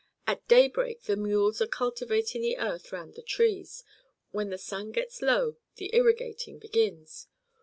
At daybreak the mules are cultivating the earth around the trees; when the sun gets low the irrigating begins.